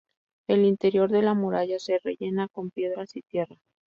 El interior de la muralla se rellena con piedras y tierra.